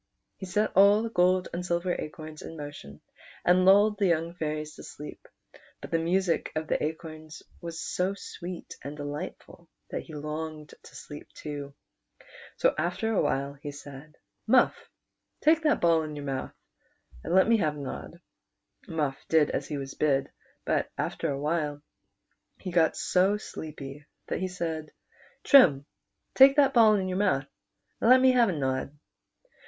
He set all the gold and silver acorns in motion, and lulled the young fairies to sleep ; but the music of the acorns was so sweet and delightful that he longed to sleep too ; so after a while he said, " Muff, take that ball in your mouth, and let me have a nod." Muff did as he was bid ; but after a while he got so sleepy that he said, "Trim, take that ball in your mouth, and let me have a nod."